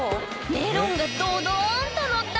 メロンがドドーンとのった